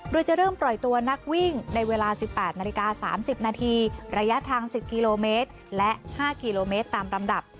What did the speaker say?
โดยจะเริ่มปล่อยตัวนักวิ่งในเวลา๑๘นาฬิกา๓๐นาทีระยะทาง๑๐กิโลเมตรและ๕กิโลเมตรตามลำดับ